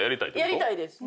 やりたいです。